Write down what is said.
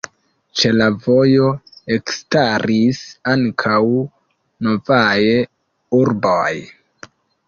Ĉe la vojo ekstaris ankaŭ novaj urboj.